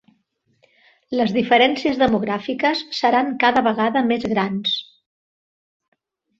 Les diferències demogràfiques seran cada vegada més grans.